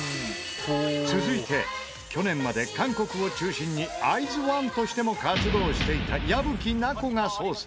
続いて去年まで韓国を中心にＩＺ＊ＯＮＥとしても活動していた矢吹奈子が捜査。